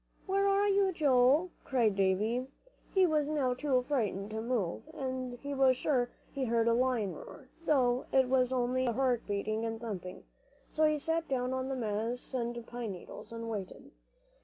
"Where are you, Joel?" cried Davie. He was now too frightened to move, and he was sure he heard a lion roar, though it was only his heart beating and thumping; so he sat down on the moss and pine needles, and waited.